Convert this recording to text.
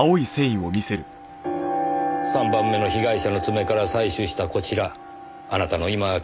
３番目の被害者の爪から採取したこちらあなたの今着